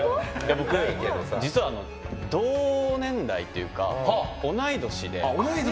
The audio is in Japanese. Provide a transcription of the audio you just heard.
僕、実は同年代というか同い年で。